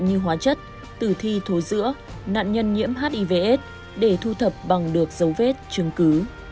như hóa chất tử thi thố giữa nạn nhân nhiễm hivs để thu thập bằng được dấu vết chứng cứ